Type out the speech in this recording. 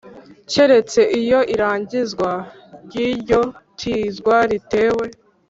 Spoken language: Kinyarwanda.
keretse iyo irangizwa ry iryo tizwa ritewe